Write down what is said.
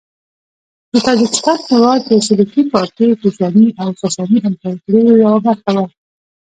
د تاجکستان هیواد د سلوکي، پارتي، کوشاني او ساساني امپراطوریو یوه برخه وه.